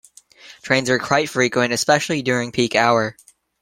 Trains are quite frequent, especially during peak hour.